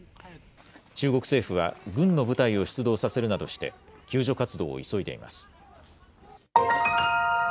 中国政府は軍の部隊を出動させるなどして、救助活動を急いでいます。